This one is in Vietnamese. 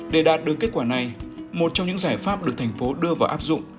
để đạt được kết quả này một trong những giải pháp được thành phố đưa vào áp dụng